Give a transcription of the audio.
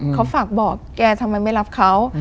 เขาฝากบอกแกทำไมไม่รับเขา